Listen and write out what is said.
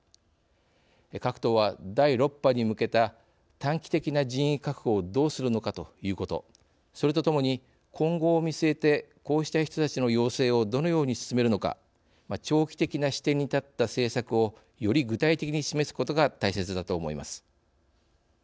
各党は第６波に向けた短期的な人員確保をどうするのかということそれとともに、今後を見据えてこうした人たちの養成をどのように進めるのか長期的な視点に立った政策をより具体的に示すことが大切だと思います。